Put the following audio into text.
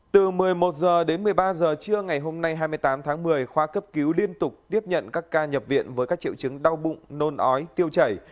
từ một mươi một h đến một mươi ba h trưa ngày hôm nay hai mươi tám tháng một mươi khoa cấp cứu liên tục tiếp nhận các ca nhập viện với các triệu chứng đau bụng nôn ói tiêu chảy